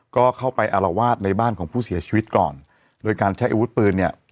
ก็เข้าไปอารวาสในบ้านของผู้เสียชีวิตก่อนโดยการใช้อาวุธปืนเนี่ย